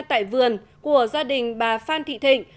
tại vườn của gia đình bà phan thị thịnh